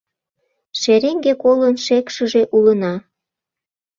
Шереҥге колын шекшыже улына